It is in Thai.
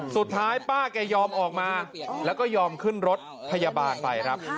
สุดท้ายป้าแกยอมออกมาแล้วก็ยอมขึ้นรถพยาบาลไปครับ